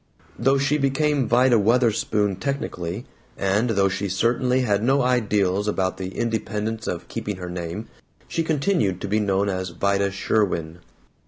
Though she became Vida Wutherspoon technically, and though she certainly had no ideals about the independence of keeping her name, she continued to be known as Vida Sherwin.